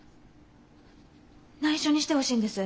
ないしょにしてほしいんです。